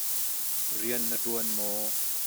Rian na ṭuan maw?